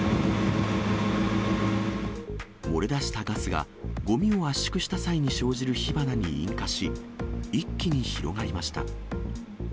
漏れ出したガスが、ごみを圧縮した際に生じる火花に引火し、一気に広がりました。